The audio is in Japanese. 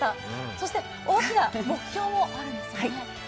そして大きな目標もあるんですね。